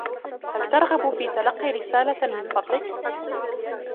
هل ترغب في تلقي رسالة من فضلك؟